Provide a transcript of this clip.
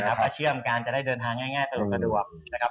นะครับเพื่อเชื่อมการจะได้เดินทางง่ายง่ายสะดวกสะดวกนะครับ